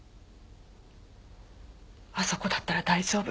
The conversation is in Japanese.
あそこだったら大丈夫。